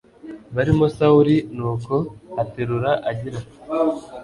barimo Sawuli Nuko aterura agira ati